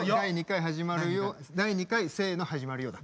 第２回せの始まるよ」だ。